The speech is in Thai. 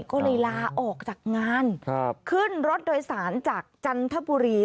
ก็เลยลาออกจากงานขึ้นรถโดยสารจากจันทบุรี